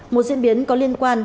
một diễn biến có liên quan